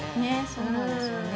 ◆そうなんですよね。